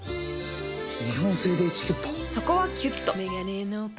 日本製でイチキュッパ？